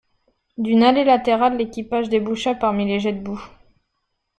D'une allée latérale l'équipage déboucha parmi les jets de boue.